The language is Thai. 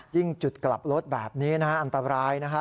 จุดกลับรถแบบนี้นะฮะอันตรายนะฮะ